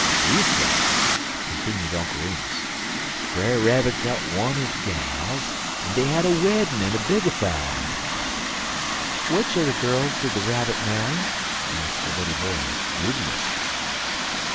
"Leas'ways," continued Uncle Remus, "Brer Rabbit got one er de gals, en dey had a weddin' en a big infa'r." "Which of the girls did the Rabbit marry?" asked the little boy, dubiously.